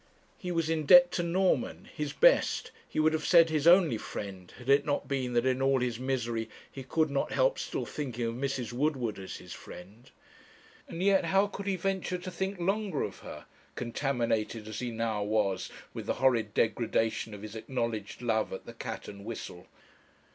He was in debt to Norman, his best, he would have said his only friend, had it not been that in all his misery he could not help still thinking of Mrs. Woodward as his friend. And yet how could his venture to think longer of her, contaminated as he now was with the horrid degradation of his acknowledged love at the 'Cat and Whistle!'